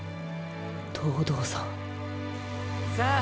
東堂さんさあ